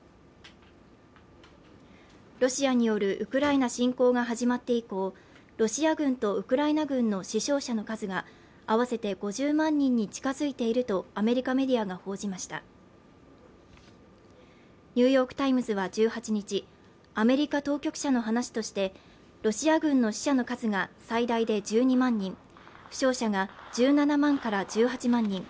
ロシアによるウクライナ侵攻が始まって以降ロシア軍とウクライナ軍の死傷者の数が合わせて５０万人に近づいているとアメリカメディアが報じました「ニューヨーク・タイムズ」は１８日米当局者の話としてロシア軍の死者の数が最大で１２万人負傷者が１７万から１８万人